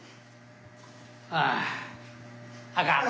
ああかん。